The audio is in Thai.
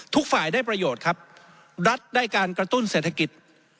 ทุกฝ่ายได้ประโยชน์ครับรัฐได้การกระตุ้นเศรษฐกิจ